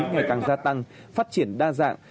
ngày càng gia tăng phát triển đa dạng